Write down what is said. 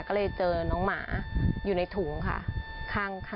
ก็เลยเจอน้องหมาอยู่ในถุงค่ะข้าง